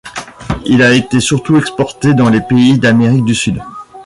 Il a été surtout exporté dans les pays d'Amérique du Sud.